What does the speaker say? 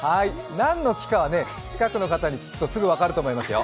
何の木かは、近くの方に聞くとすぐ分かると思いますよ。